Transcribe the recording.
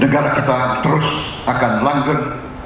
negara kita terus akan lanjut